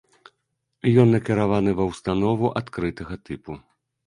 Ён накіраваны ва ўстанову адкрытага тыпу.